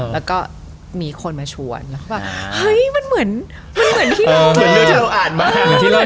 แล้วก็มีคนมาชวนมันเหมือนที่เราอ่านมาก